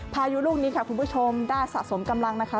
พายุลูกนี้ค่ะคุณผู้ชมได้สะสมกำลังนะคะ